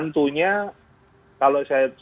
tentunya kalau saya katakan untuk mengajar